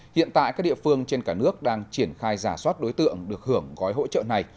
hiện tại các địa phương trên cả nước đang triển khai giả soát đối tượng được hưởng gói hỗ trợ này